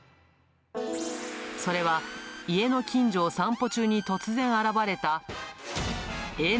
それは、家の近所を散歩中に突然現れたＮ。